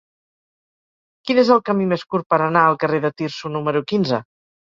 Quin és el camí més curt per anar al carrer de Tirso número quinze?